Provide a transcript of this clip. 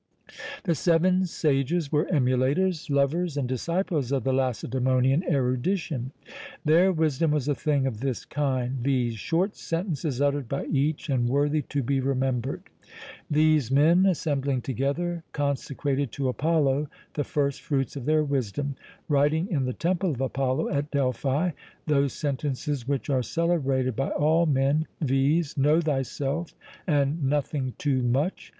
The seven sages were emulators, lovers, and disciples of the Lacedæmonian erudition. Their wisdom was a thing of this kind, viz. short sentences uttered by each, and worthy to be remembered. These men, assembling together, consecrated to Apollo the first fruits of their wisdom; writing in the Temple of Apollo, at Delphi, those sentences which are celebrated by all men, viz. Know thyself! and _Nothing too much!